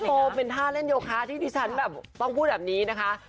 โตเป็นท่าเล่นโยคะที่ดิฉันแบบต้องพูดแบบนี้นะคะ